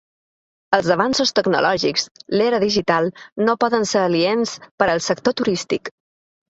Els avanços tecnològics, l’era digital, no poden ser aliens per al sector turístic.